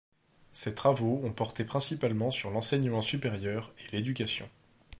Ses travaux ont porté principalement sur l'enseignement supérieur et l'éducation.